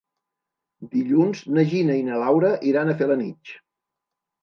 Dilluns na Gina i na Laura iran a Felanitx.